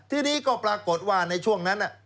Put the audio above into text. ทีนี้ก็ปรากฏว่าในช่วงนั้น